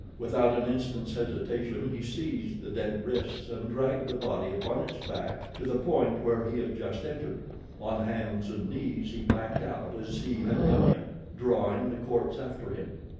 Without an instant's hesitation he seized the dead wrists and dragged the body upon its back to the point where he had just entered. On hands and knees he backed out as he had come in, drawing the corpse after him.